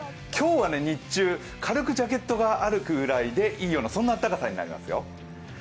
今日は日中、軽くジャケットがあるぐらいでいいような暖かさになりますよ。